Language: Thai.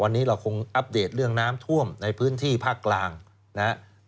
วันนี้เราคงอัปเดตเรื่องน้ำท่วมในพื้นที่ภาคกลางนะครับ